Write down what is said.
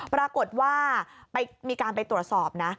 ปรากฏว่ามีการไปตรวจสอบนะ